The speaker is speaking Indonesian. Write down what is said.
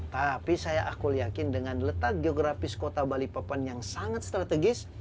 tapi saya aku yakin dengan letak geografis kota balikpapan yang sangat strategis